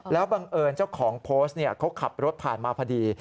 แล้วบังเอิญเจ้าของโพสต์เขาขับรถผ่านมาพอดี